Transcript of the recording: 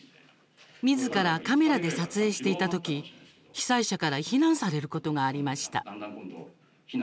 みずからカメラで撮影していた時被災者から非難されることがありました。